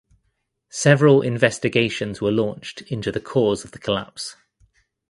Several investigations were launched into the cause of the collapse.